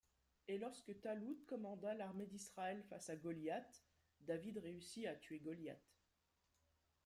Et lorsque Ṭālūt commanda l'armée d'Israël face à Goliath, David réussit à tuer Goliath.